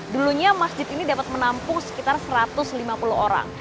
dulunya masjid ini dapat menampung sekitar satu ratus lima puluh orang